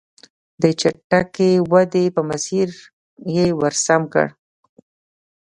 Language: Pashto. د چټکې ودې په مسیر یې ور سم کړل.